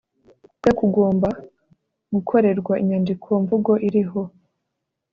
kwe kugomba gukorerwa inyandiko mvugo iriho